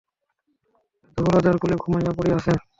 ধ্রুব রাজার কোলে ঘুমাইয়া পড়িয়াছে।